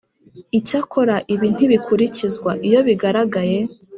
Icyakora ibi ntibikurikizwa iyo bigaragaye